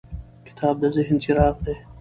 کتاب د ذهن څراغ دی.